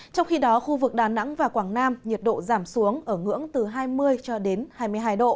trong khi đó khu vực đà nẵng và quảng nam nhiệt độ giảm xuống ở ngưỡng từ hai mươi cho đến hai mươi hai độ